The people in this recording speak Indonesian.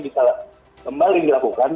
bisa kembali dilakukan